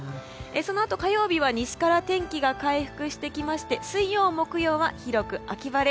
そのあと、火曜日は西から天気が回復してきまして水曜日、木曜日は広く秋晴れ。